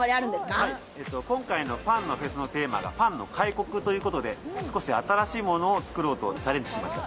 今回のパンのフェスのテーマがパンの開国ということで、少し新しいものを作ろうとチャレンジしました。